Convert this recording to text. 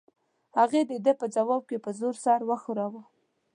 هغې د ده په ځواب کې په زور سر وښوراوه.